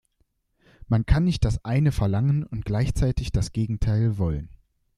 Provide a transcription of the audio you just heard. Man kann nicht das eine verlangen und gleichzeitig das Gegenteil wollen.